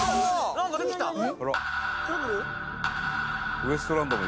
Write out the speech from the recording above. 何か出てきたえ！？